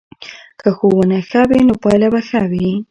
که ښوونه ښه وي نو پایله به ښه وي.